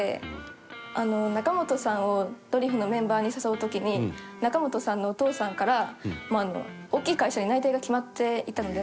仲本さんをドリフのメンバーに誘う時に仲本さんのお父さんから大きい会社に内定が決まっていたので仲本さんが。